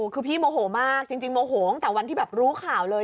คือพี่โมโหมากจริงโมโหตั้งแต่วันที่แบบรู้ข่าวเลย